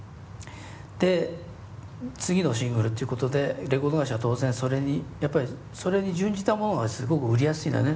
で次のシングルっていうことでレコード会社当然それにやっぱりそれに準じたものがすごく売りやすいんだね